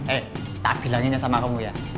eh tak bilangnya nyasar sama kamu ya